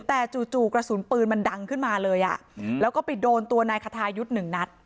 แต่จู่กระสุนปืนมันดังขึ้นมาเลยอ่ะแล้วก็ไปโดนตัวนายคทายุทธ์หนึ่งนัด